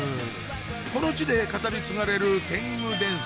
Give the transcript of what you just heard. この地で語り継がれる天狗伝説